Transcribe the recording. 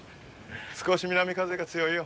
少し南風が強いよ。